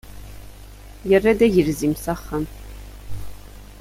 Yerra-d agelzim s axxam.